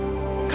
aku gak mau